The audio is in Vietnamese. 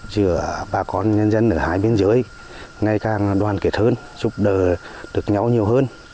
giữa bà con nhân dân ở hai biên giới ngày càng đoàn kết hơn giúp đỡ được nhau nhiều hơn